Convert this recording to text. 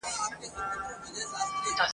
سپی را ولېږه چي دلته ما پیدا کړي ..